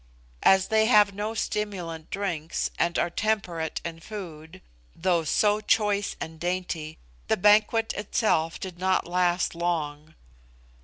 As they have no stimulant drinks, and are temperate in food, though so choice and dainty, the banquet itself did not last long.